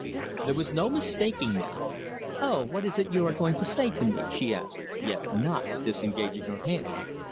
There was no mistaking now. "Oh, what is it you are going to say to me?" she asked, yet not disengaging her hand.